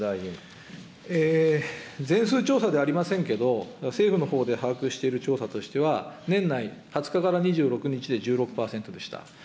全数調査ではありませんけれども、政府のほうで把握している調査としては、年内２０日から２６日で１６％でした。